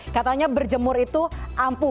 katanya berjemur itu ampuh